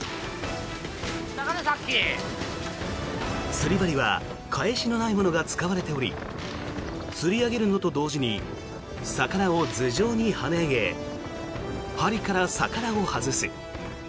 釣り針は返しのないものが使われており釣り上げるのと同時に魚を頭上に跳ね上げ針から魚を外す。